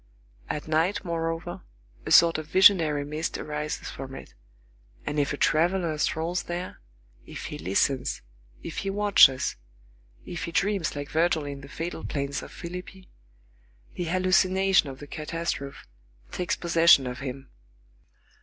At night, moreover, a sort of visionary mist arises from it; and if a traveller strolls there, if he listens, if he watches, if he dreams like Virgil in the fatal plains of Philippi, the hallucination of the catastrophe takes possession of him.